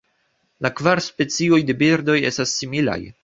La kvar specioj de birdoj estas similaj.